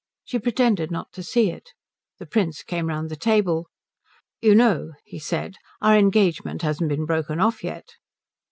She pretended not to see it. The Prince came round the table. "You know," he said, "our engagement hasn't been broken off yet?"